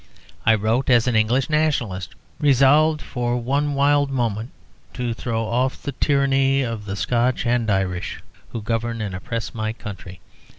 I wrote as an English nationalist resolved for one wild moment to throw off the tyranny of the Scotch and Irish who govern and oppress my country.